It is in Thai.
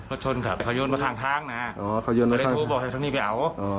รถชนครับเขายนมาข้างทางนะฮะอ๋อเขายนมาข้างทางบอกให้ทั้งนี้ไปเอา